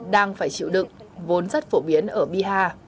đang phải chịu đựng vốn rất phổ biến ở biha